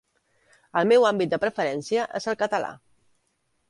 El meu àmbit de preferència és el català.